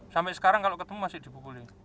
sampai sekarang kalau ketemu masih dipukulin